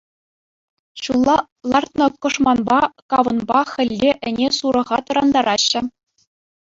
Ҫулла лартнӑ кӑшманпа, кавӑнпа хӗлле ӗне-сурӑха тӑрантараҫҫӗ.